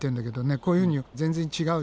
こういうふうに全然違うでしょ。